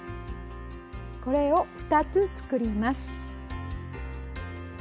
これを２つ作ります。